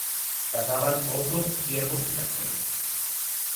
Cazaban osos, ciervos y castores.